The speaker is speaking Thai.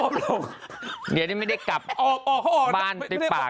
เดี๋ยวนี้ไม่ได้กลับบ้านติดปาก